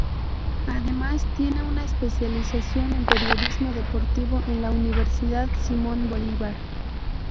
Además, tiene una especialización en Periodismo Deportivo en la Universidad Simón Bolívar.